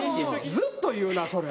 ずっと言うなそれ。